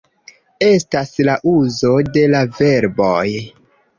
Estas la uzo de la verboj